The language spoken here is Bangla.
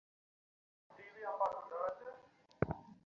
বিডিআর বিদ্রোহের মাত্র দুই মাস আগে বিয়ে করেছিলেন তরুণ সিপাহী লাবলু গাজী।